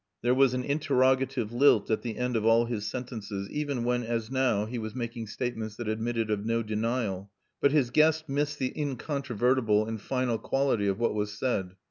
There was an interrogative lilt at the end of all his sentences, even when, as now, he was making statements that admitted of no denial. But his guest missed the incontrovertible and final quality of what was said.